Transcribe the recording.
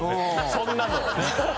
そんなの。